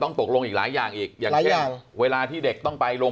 ต้องตกลงอีกหลายอย่างอีกหลายอย่างเวลาที่เด็กต้องไปโรง